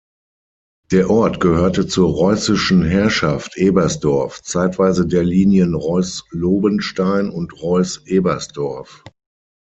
Der Ort gehörte zur reußischen Herrschaft Ebersdorf, zeitweise der Linien Reuß-Lobenstein und Reuß-Ebersdorf.